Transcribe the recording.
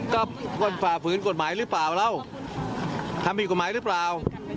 ก็คนฝ่าฝืนกฎหมายหรือเปล่าแล้วทำผิดกฎหมายหรือเปล่า